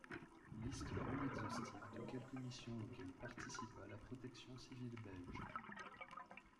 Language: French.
Liste non exhaustive de quelques missions auxquelles participa la protection civile belge.